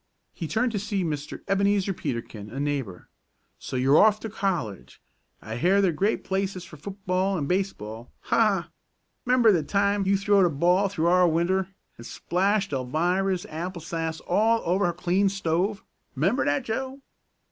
He turned to see Mr. Ebenezer Peterkin, a neighbor. "So you're off for college. I hear they're great places for football and baseball! Ha! Ha! 'Member th' time you throwed a ball through our winder, and splashed Alvirah's apple sass all over her clean stove? 'Member that, Joe?"